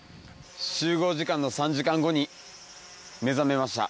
集合時間の３時間後に目覚めました。